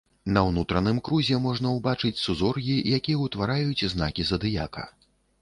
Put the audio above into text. На ўнутраным крузе можна ўбачыць сузор'і, якія ўтвараюць знакі задыяка.